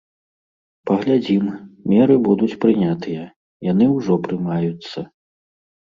Паглядзім, меры будуць прынятыя, яны ўжо прымаюцца.